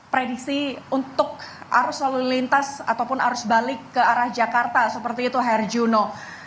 prediksi untuk arus lalu lintas ataupun arus balik ke arah jakarta seperti itu hergino